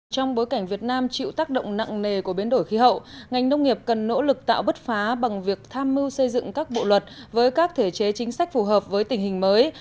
trong bối cảnh việt nam chịu tác động nặng nề của biến đổi khí hậu ngành nông nghiệp cần nỗ lực tạo bứt phá bằng việc tham mưu xây dựng các bộ luật với các thể chế chính sách phù hợp với tình hình mới